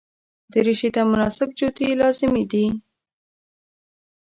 دریشي ته مناسب جوتي لازمي دي.